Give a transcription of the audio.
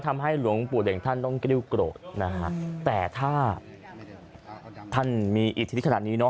ทำให้หลวงปู่เหล่งท่านต้องกริ้วโกรธนะฮะแต่ถ้าท่านมีอิทธิฤทธิขนาดนี้เนอ